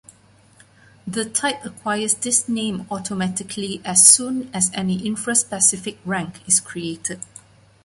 The type acquires this name automatically as soon as any infraspecific rank is created.